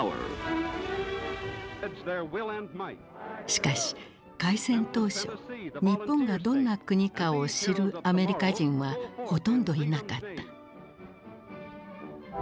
しかし開戦当初日本がどんな国かを知るアメリカ人はほとんどいなかった。